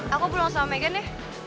aku pulang sama megan ya